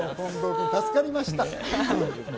助かりました。